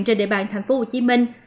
trên địa bàn thành phố hồ chí minh